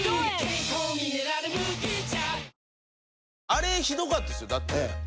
あれひどかったですよだって。